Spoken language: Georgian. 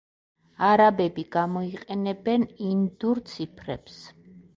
არაბები გამოიყენებენ ინდურ ციფრებს.